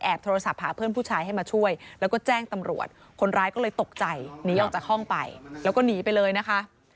โทรศัพท์หาเพื่อนผู้ชายให้มาช่วยแล้วก็แจ้งตำรวจคนร้ายก็เลยตกใจหนีออกจากห้องไปแล้วก็หนีไปเลยนะคะ